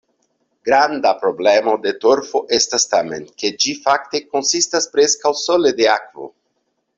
Granda problemo de torfo estas tamen, ke ĝi fakte konsistas preskaŭ sole de akvo.